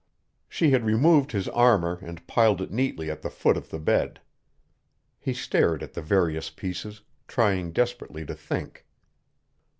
She had removed his armor and piled it neatly at the foot of the bed. He stared at the various pieces, trying desperately to think.